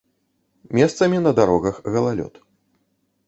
Месцамі на дарогах галалёд.